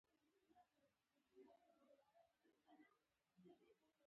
چې تر موږ یې اغېز راورسېد.